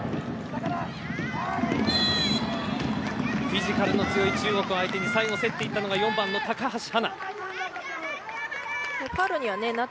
フィジカルの強い中国相手に最後、競っていったのが４番の高橋はな。